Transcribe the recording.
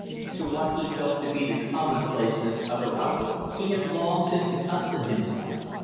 To what he felt to be the commonplaceness of her outlook he had long since accustomed himself.